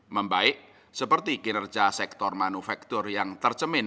membaik seperti kinerja sektor manufaktur yang tercemin